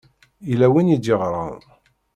Yella win i d-yeɣṛan.